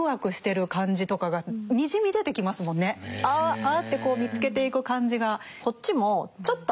あ！ってこう見つけていく感じが。